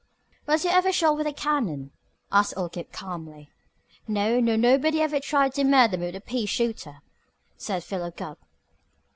"Was you ever shot with a cannon?" asked old Gabe calmly. "No, nor nobody ever tried to murder me with a pea shooter," said Philo Gubb.